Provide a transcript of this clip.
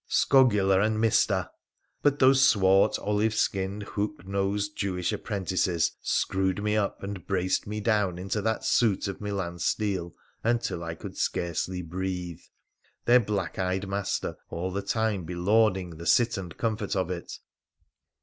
Scogula anc Mista! but those swart, olive skinned, hook nosed Jewist PHRA THE PHCENICIAM 139 apprentices screwed me up and braced me down into that suit Df Milan steel until I could scarcely breathe — their black eyed master all the time belauding the sit and comfort of it.